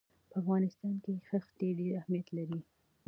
په افغانستان کې ښتې ډېر اهمیت لري.